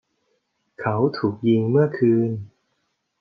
เขาถูกยิงเมื่อคืน